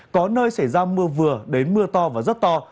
có nơi xảy ra mưa vừa đến mưa to và rất to